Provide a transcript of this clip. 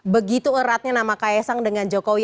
begitu eratnya nama kaya sang dengan jokowi